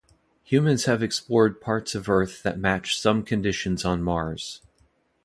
Humans have explored parts of Earth that match some conditions on Mars.